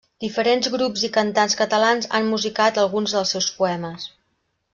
Diferents grups i cantants catalans han musicat alguns dels seus poemes.